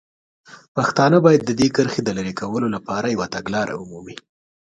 پښتانه باید د دې کرښې د لرې کولو لپاره یوه تګلاره ومومي.